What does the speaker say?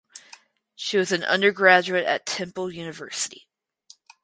She was an undergraduate at Temple University.